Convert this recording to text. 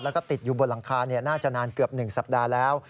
แล้วก็ติดอยู่บนหลังคาน่าจะนานเกือบ๑สัปดาห์แล้ว